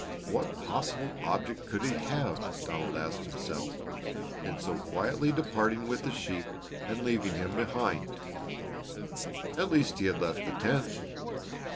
What possible object could he have, Donald asked himself, in so quietly departing with the sheep and leaving him behind? At least he had left the tent.